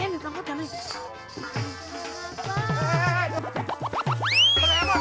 jangan jangan jangan